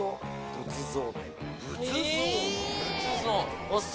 仏像！